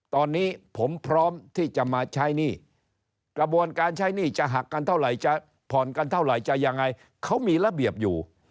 ตอนนี้ผมพร้อมที่จะมาใช้หนี้กระบวนการใช้หนี้จะหักกันเท่าไหร่จะผ่อนกันเท่าไหร่จะยังไงเขามีระเบียบอยู่